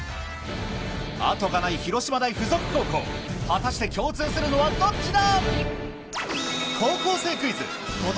後がない広島大附属高校果たして共通するのはどっちだ？